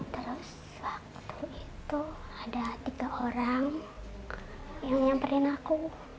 terus waktu itu ada tiga orang yang nyamperin aku